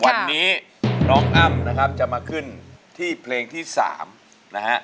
วันนี้น้องอ้ำนะครับจะมาขึ้นที่เพลงที่๓นะฮะ